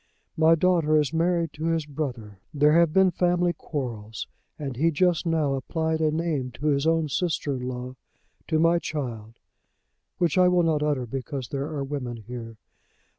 "My daughter is married to his brother. There have been family quarrels, and he just now applied a name to his own sister in law, to my child, which I will not utter because there are women here.